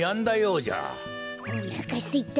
おなかすいた。